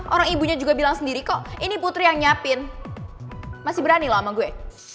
orang ibunya juga bilang sendiri kok ini putri yang nyiapin masih berani loh sama gue